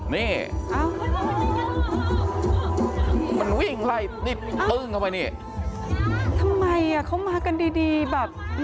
นี่เอ้ามันวิ่งไล่นี่ปึ้งเข้าไปนี่ทำไมอ่ะเขามากันดีดีแบบ